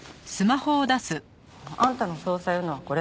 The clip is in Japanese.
あんたの捜査用のはこれ。